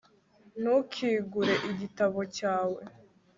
ntukingure igitabo cyawe